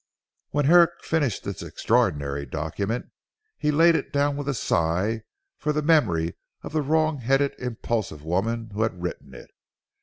When Herrick finished this extraordinary document, he laid it down with a sigh for the memory of the wrong headed impulsive woman who had written it.